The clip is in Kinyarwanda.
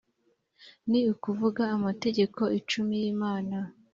ni ukuvuga amategeko icumi y’imana